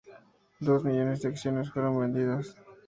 Dos millones de acciones fueron vendidas.